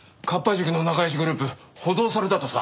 塾の仲良しグループ補導されたとさ。